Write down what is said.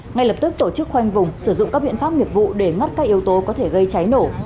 ngay lập tức tổ chức khoanh vùng sử dụng các biện pháp nghiệp vụ để mắt các yếu tố có thể gây cháy nổ